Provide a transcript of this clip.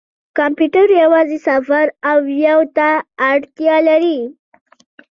کمپیوټر یوازې صفر او یو ته اړتیا لري.